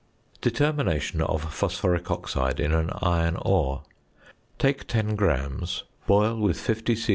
~Determination of Phosphoric Oxide in an Iron Ore.~ Take 10 grams, boil with 50 c.c.